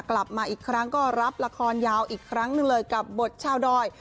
กลับมาอีกครั้งก็รับละครยาวอีกครั้งหนึ่งเลยกับบทชาวดอย